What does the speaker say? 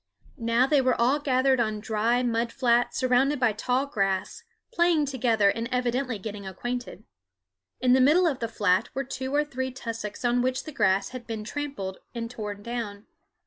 Now they were all gathered on a dry mud flat surrounded by tall grass, playing together and evidently getting acquainted. In the middle of the flat were two or three tussocks on which the grass had been trampled and torn down.